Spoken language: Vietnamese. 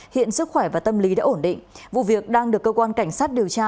hiện sức khỏe và tâm lý đã ổn định vụ việc đang được cơ quan cảnh sát điều tra